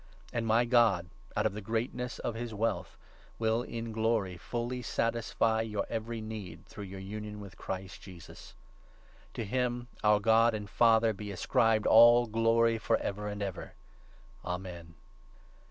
And 19 my God, out of the greatness of his wealth, will, in glory, fully satisfy your every need, through your union with Christ Jesus. To him, our God and Father, be ascribed all glory for ever 20 and ever. Amen.